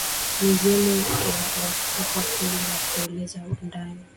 Mizimu wakupa kweli, wakueleze undani,